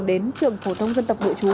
của trường phổ thông dân tập đội chú